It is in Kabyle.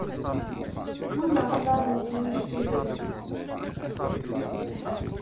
Ɛawneɣ baba ad yessew ijejjigen.